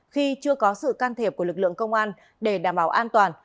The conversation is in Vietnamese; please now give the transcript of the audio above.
khi chưa có sự can thiệp của lực lượng công an để đảm bảo an toàn